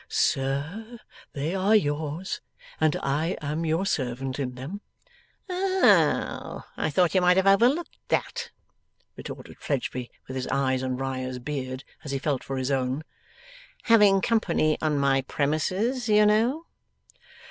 'Sir, they are yours, and I am your servant in them.' 'Oh! I thought you might have overlooked that,' retorted Fledgeby, with his eyes on Riah's beard as he felt for his own; 'having company on my premises, you know!